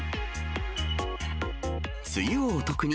梅雨をお得に！